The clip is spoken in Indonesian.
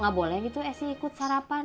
gak boleh gitu esy ikut sarapan